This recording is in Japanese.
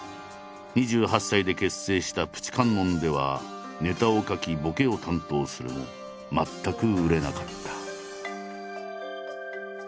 ２８歳で結成した「ぷち観音」ではネタを書きボケを担当するも全く売れなかった。